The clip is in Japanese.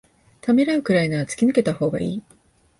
ためらうくらいなら突き抜けたほうがいい